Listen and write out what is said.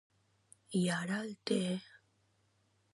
I ara el té?